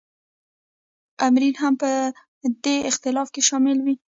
آمرین هم په دې اختلاف کې شامل وي.